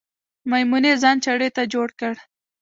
میمونۍ ځان چړې ته جوړ که